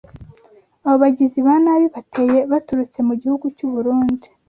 Abo bagizi ba nabi bateye baturutse mu gihugu cy’u Burundi